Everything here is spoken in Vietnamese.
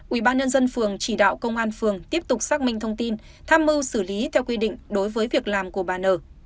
ubnd phường chỉ đạo công an phường tiếp tục xác minh thông tin tham mưu xử lý theo quy định đối với việc làm của bà nở